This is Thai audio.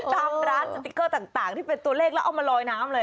ตามร้านสติ๊กเกอร์ต่างที่เป็นตัวเลขแล้วเอามาลอยน้ำเลย